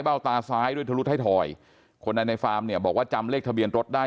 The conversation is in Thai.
ตาซ้ายด้วยทะลุไทยทอยคนในในฟาร์มเนี่ยบอกว่าจำเลขทะเบียนรถได้